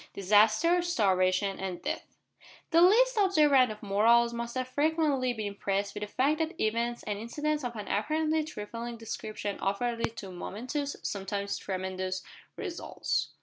DISASTER, STARVATION, AND DEATH. The least observant of mortals must have frequently been impressed with the fact that events and incidents of an apparently trifling description often lead to momentous sometimes tremendous results.